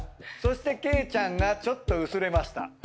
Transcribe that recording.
そしてケイちゃんがちょっと薄れました。